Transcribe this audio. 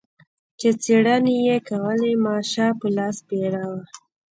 چې څېړنې یې کولې ماشه په لاس پیره و.